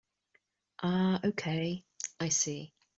Oh okay, I see.